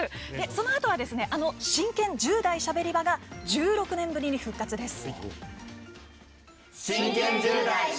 そのあとはあの「真剣１０代しゃべり場」が１６年ぶりに復活です。